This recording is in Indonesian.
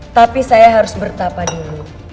tapi saya harus bertapa dulu